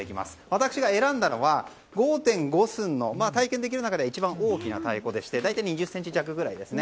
私が選んだのは５．５寸の体験できる中では一番大きな太鼓でして大体２０ｃｍ弱ぐらいですね。